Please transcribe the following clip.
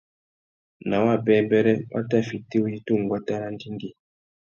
Nà wabêbêrê, wa tà fiti uyíta unguata râ andjingüî.